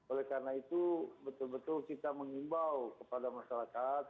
oleh karena itu betul betul kita mengimbau kepada masyarakat